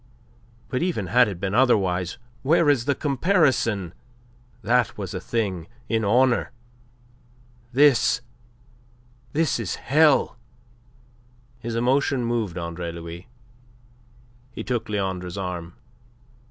But even had it been otherwise where is the comparison? That was a thing in honour; this this is hell." His emotion moved Andre Louis. He took Leandre's arm.